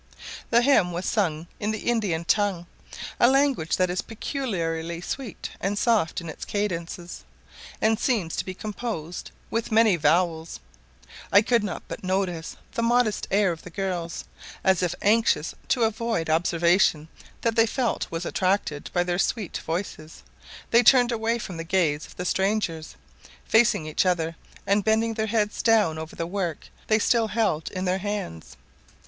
The hymn was sung in the Indian tongue, a language that is peculiarly sweet and soft in its cadences, and seems to be composed with many vowels. I could not but notice the modest air of the girls; as if anxious to avoid observation that they felt was attracted by their sweet voices, they turned away from the gaze of the strangers, facing each other and bending their heads down over the work they still held in their hands.